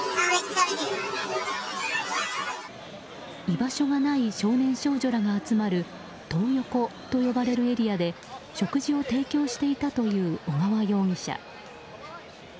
居場所がない少年少女らが集まるトー横と呼ばれるエリアで食事を提供していたという小川容疑者。